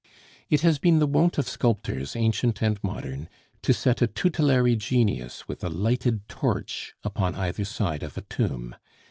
It has been the wont of sculptors, ancient and modern, to set a tutelary genius with a lighted torch upon either side of a tomb.